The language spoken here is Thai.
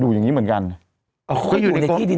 ถูกต้องถูกต้องถูกต้อง